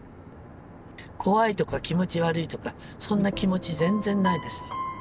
怖いとか気持ち悪いとかそんな気持ち全然ないですよ。